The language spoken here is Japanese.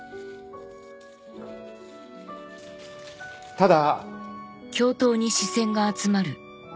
ただ。